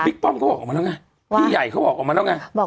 ป้อมเขาบอกออกมาแล้วไงพี่ใหญ่เขาบอกออกมาแล้วไง